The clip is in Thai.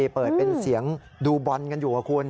เปิดเป็นเสียงดูบอลกันอยู่กับคุณ